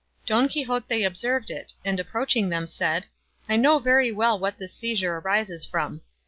Don Quixote observed it, and approaching them said, "I know very well what this seizure arises from."